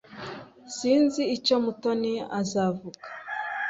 S Sinzi icyo Mutoni azavuga.